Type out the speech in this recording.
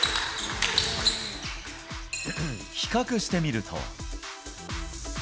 比較してみると。